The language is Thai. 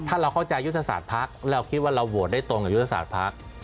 ถ้าเราเข้าใจยุทธศาสตร์พักเราคิดว่าเราโหวตได้ตรงกับยุทธศาสตร์พัก